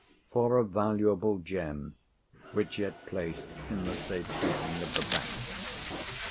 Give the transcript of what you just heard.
"For a valuable gem which he had placed in the safe keeping of the bank."